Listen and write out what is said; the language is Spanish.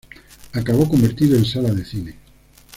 Acabó convertido en sala de cine.